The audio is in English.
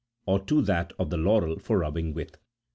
01 . to that of the laurel for rubbing with.